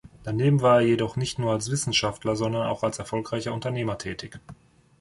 Daneben war er jedoch nicht nur als Wissenschaftler, sondern auch als erfolgreicher Unternehmer tätig.